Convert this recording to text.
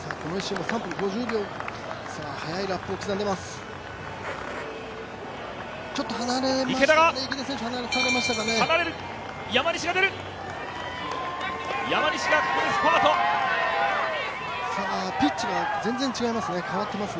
この１周も３分５０、速いラップを刻んでいます。